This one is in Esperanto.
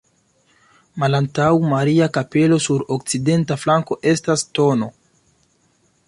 Malantaŭ Maria-kapelo sur okcidenta flanko estas tn.